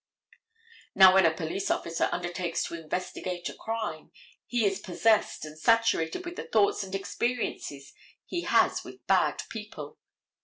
Now, when a police officer undertakes to investigate a crime, he is possessed and saturated with the thoughts and experiences he has with bad people.